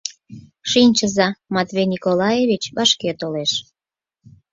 Шинчыза, Матвей Николаевич вашке толеш.